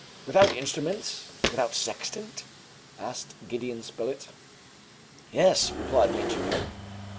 "Without instruments, without sextant?" asked Gideon Spilett. "Yes," replied the engineer.